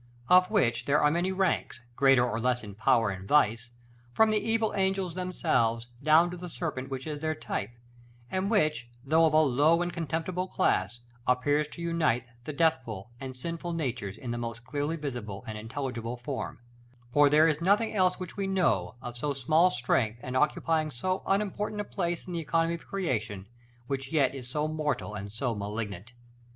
Of which there are many ranks, greater or less in power and vice, from the evil angels themselves down to the serpent which is their type, and which though of a low and contemptible class, appears to unite the deathful and sinful natures in the most clearly visible and intelligible form; for there is nothing else which we know, of so small strength and occupying so unimportant a place in the economy of creation, which yet is so mortal and so malignant.